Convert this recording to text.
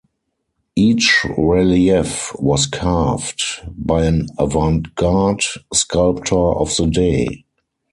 Each relief was carved by an avant-garde sculptor of the day.